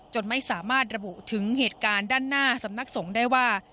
ไม่สามารถระบุถึงเหตุการณ์ด้านหน้าสำนักสงฆ์ได้ว่า